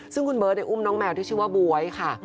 ซึ่งคุณเบิร์ตอุ้มน้องแมวที่ชื่อว่าบ๊วยค่ะ